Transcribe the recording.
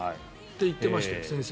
言ってましたよ、先生。